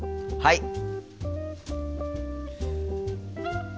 はい！